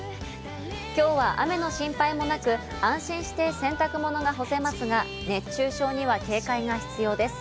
今日は雨の心配もなく、安心して洗濯物が干せますが熱中症には警戒が必要です。